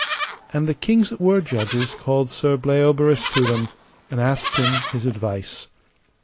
And the kings that were judges called Sir Bleoberis to them, and asked him his advice.